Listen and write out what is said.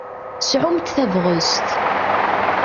Sɛumt tabɣest!